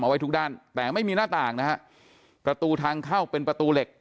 ไว้ทุกด้านแต่ไม่มีหน้าต่างนะฮะประตูทางเข้าเป็นประตูเหล็ก